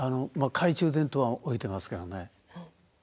懐中電灯は置いてますけどね。